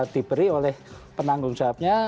diberi oleh penanggung jawabnya